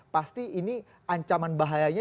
pasti ini ancaman bahayanya